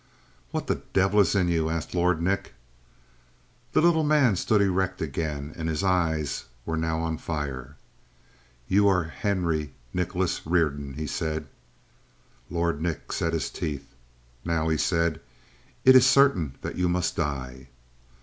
"What the devil is in you?" asked Lord Nick. The little man stood erect again and his eyes were now on fire. "You are Henry Nicholas Reardon," he said. Lord Nick set his teeth. "Now," he said, "it is certain that you must die!"